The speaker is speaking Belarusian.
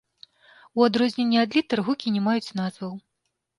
У адрозненне ад літар гукі не маюць назваў.